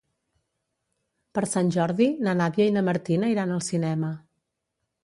Per Sant Jordi na Nàdia i na Martina iran al cinema.